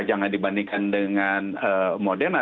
jangan dibandingkan dengan moderna